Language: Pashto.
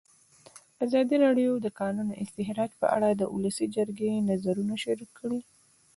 ازادي راډیو د د کانونو استخراج په اړه د ولسي جرګې نظرونه شریک کړي.